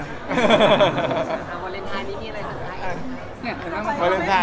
พี่พาวอเล็นไทยมีอะไรสำคัญ